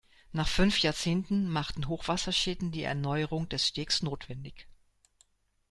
Nach fünf Jahrzehnten machten Hochwasserschäden die Erneuerung des Stegs notwendig.